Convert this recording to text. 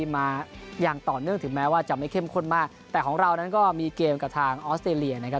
แม้ว่าจะไม่เข้มข้นมากแต่ของเรานั้นก็มีเกมกับทางออสเตรเลียนะครับ